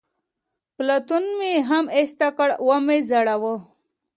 پتلون مې هم ایسته کړ، و مې ځړاوه.